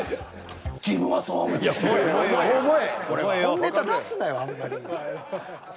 本ネタ出すなよあんまり。